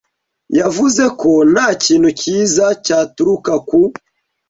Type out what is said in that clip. Yavuze ko nta kintu cyiza cyaturuka ku